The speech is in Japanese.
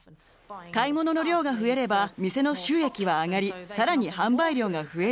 買い物の量が増えれば店の収益は上がり更に販売量が増える。